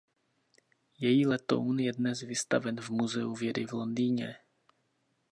Její letoun je dnes vystaven v Muzeu vědy v Londýně.